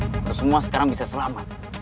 hampir semua sekarang bisa selamat